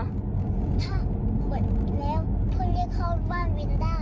ถ้าหมดแล้วเพื่อนเรียกเข้าบ้านวินด้า